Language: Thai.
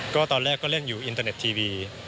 ก็ตอนแรกก็เล่นอยู่อินเตอร์เน็ตทีวี